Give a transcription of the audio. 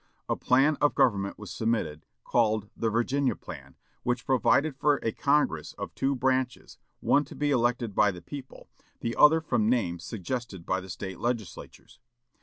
A plan of government was submitted, called the "Virginia plan," which provided for a Congress of two branches, one to be elected by the people, the other from names suggested by the State Legislatures.